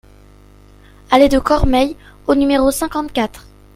Allée de Cormeilles au numéro cinquante-quatre